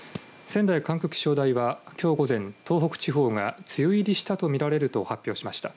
仙台管区気象台は、きょう午前東北地方が梅雨入りしたとみられると発表しました。